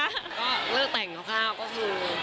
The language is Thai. ก็เลิกแต่งคร่าวก็คือ